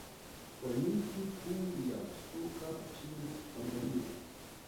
wa ligi kuu ya soka nchini tanzania